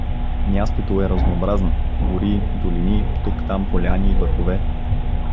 Мястото е разнообразно: гори, долини, тук-там поляни и върхове.